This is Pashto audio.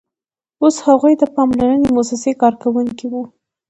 اوس هغوی د پاملرنې موسسې کارکوونکي وو